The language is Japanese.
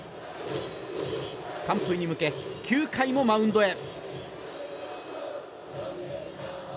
完封に向け９回もマウンドへ。